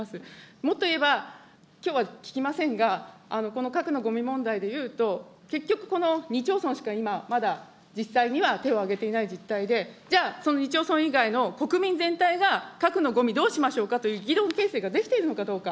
もっと言えば、きょうは聞きませんが、この核のごみ問題でいうと、結局この２町村しかまだ実際には手を挙げていない実態で、じゃあ、その２町村以外の国民の全体が、核のごみ、どうしましょうかという議論形成ができているのかどうか。